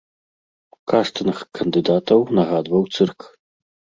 Кастынг кандыдатаў нагадваў цырк.